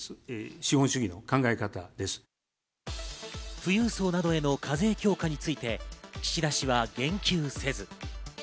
富裕層などへの課税強化について岸田氏は言及せず。